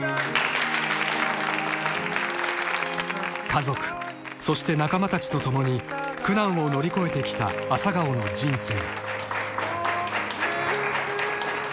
［家族そして仲間たちと共に苦難を乗り越えてきた朝顔の人生］